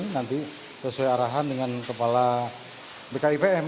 nanti sesuai arahan dengan kepala bkipm